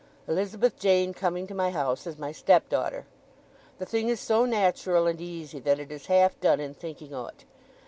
Elizabeth Jane coming to my house as my stepdaughter. The thing is so natural and easy that it is half done in thinking o't.